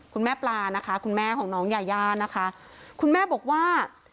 ปลานะคะคุณแม่ของน้องยายานะคะคุณแม่บอกว่า